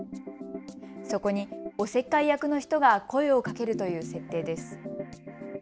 そこに、おせっかい役の人が声をかけるという設定です。